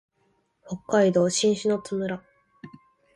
北海道新篠津村